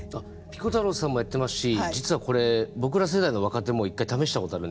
ピコ太郎さんもやってますし実はこれ僕ら世代の若手もなるほど。